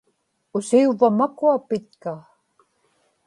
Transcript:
usiuvva makua pitka